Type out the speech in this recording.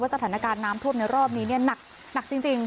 สถานการณ์น้ำท่วมในรอบนี้หนักจริง